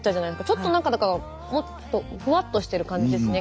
ちょっとなんかだからもっとふわっとしてる感じですね